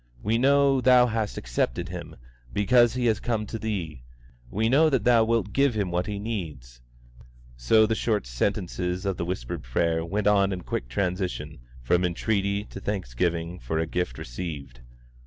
We know Thou hast accepted him, because he has come to Thee. We know that Thou wilt give him what he needs," so the short sentences of the whispered prayer went on in quick transition from entreaty to thanksgiving for a gift received.